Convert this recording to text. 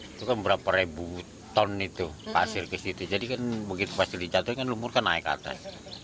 itu kan berapa ribu ton itu pasir ke situ jadi kan begitu pasir dijatuhkan lumpur kan naik ke atas